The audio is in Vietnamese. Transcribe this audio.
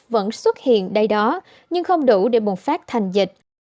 vẫn xuất hiện đây đó nhưng không đủ để bùng phát thành dịch